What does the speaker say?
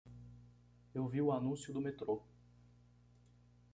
Eu vi o anúncio do metrô